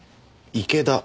池田。